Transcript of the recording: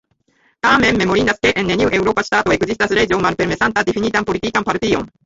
Tamen memorindas, ke en neniu eŭropa ŝtato ekzistas leĝo malpermesanta difinitan politikan partion.